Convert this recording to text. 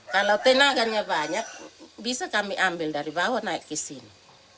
kalau tenaganya banyak bisa kami ambil dari bawah naik ke sini